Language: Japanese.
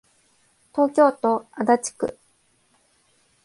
東京都足立区